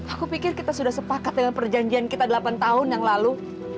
aku pikir kita sudah sepakat dengan perjanjian kita delapan tahun yang lalu